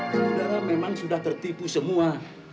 kuda memang sudah tertipu semua